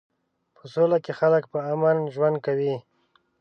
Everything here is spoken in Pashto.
په سوله کې خلک په امن ژوند کوي.